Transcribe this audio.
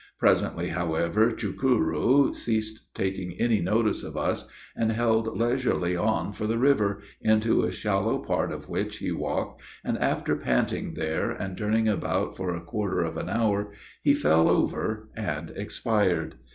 Presently, however, Chukuroo ceased taking any notice of us, and held leisurely on for the river, into a shallow part of which he walked, and, after panting there and turning about for a quarter of an hour, he fell over and expired.